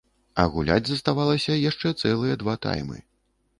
А гуляць заставалася яшчэ цэлыя два таймы.